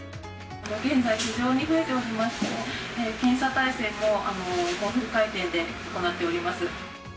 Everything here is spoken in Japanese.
現在、非常に増えておりまして、検査態勢もフル回転で行っております。